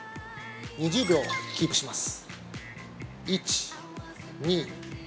２０秒キープします。